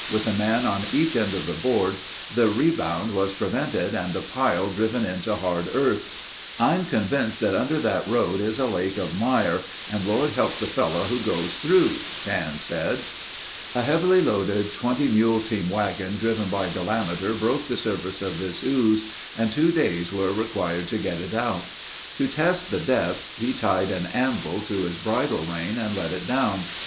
With a man on each end of the board, the rebound was prevented and the pile driven into hard earth. "I'm convinced that under that road is a lake of mire and Lord help the fellow who goes through," Dan said. A heavily loaded 20 mule team wagon driven by Delameter broke the surface of this ooze and two days were required to get it out. To test the depth, he tied an anvil to his bridle rein and let it down.